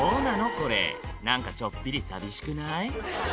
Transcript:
これ何かちょっぴり寂しくない？